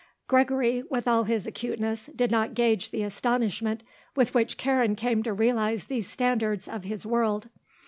Gregory, with all his acuteness, did not gauge the astonishment with which Karen came to realize these standards of his world.